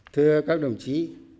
thưa các đồng chí